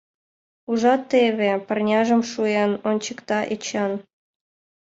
Ужат, теве! — парняжым шуен, ончыкта Эчан.